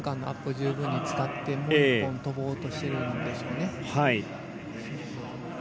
十分に使って、もう１本跳ぼうとしているんでしょうね。